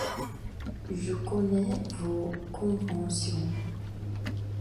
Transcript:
Je connais vos conventions.